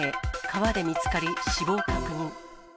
川で見つかり死亡確認。